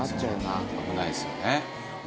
危ないですよね。